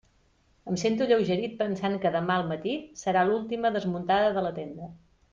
Em sento alleugerit pensant que demà al matí serà l'última desmuntada de la tenda.